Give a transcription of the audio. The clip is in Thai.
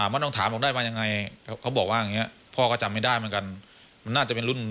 มันต้องถามออกได้มั้ยยังไง